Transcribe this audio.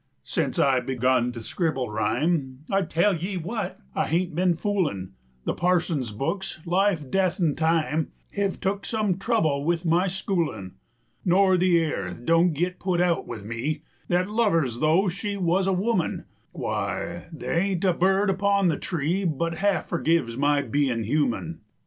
Sence I begun to scribble rhyme, I tell ye wut, I hain't ben foolin'; The parson's books, life, death, an' time Hev took some trouble with my schoolin'; 20 Nor th' airth don't git put out with me, Thet love her 'z though she wuz a woman; Why, th' ain't a bird upon the tree But half forgives my bein' human.